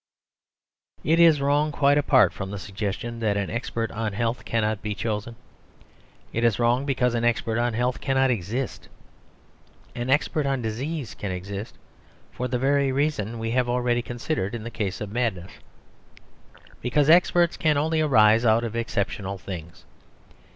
It is wrong, quite apart from the suggestion that an expert on health cannot be chosen. It is wrong because an expert on health cannot exist. An expert on disease can exist, for the very reason we have already considered in the case of madness, because experts can only arise out of exceptional things.